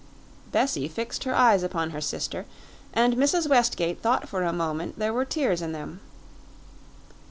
Bessie fixed her eyes upon her sister, and Mrs. Westgate thought for a moment there were tears in them.